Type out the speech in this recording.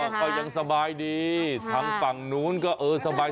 ก็ยังสบายดีทางฝั่งนู้นก็เออสบาย